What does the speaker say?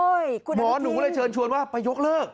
โอ๊ยคุณธรรมทินหมอหนูก็เลยเชิญชวนว่าไปยกเลิก